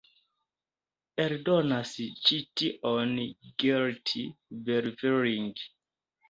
Eldonas ĉi tion Gerrit Berveling.